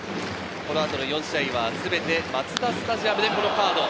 この後の４試合はすべてマツダスタジアムでのカード。